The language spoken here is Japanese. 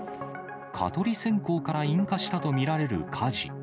蚊取り線香から引火したと見られる火事。